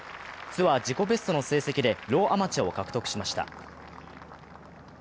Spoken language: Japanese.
ツアー自己ベストの成績でローアマチュアを獲得しました。